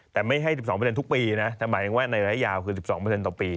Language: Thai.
แต่ไม่ให้๑๒ทุกปีนะแต่หมายถึงว่าในระยะยาวคือ๑๒ต่อปี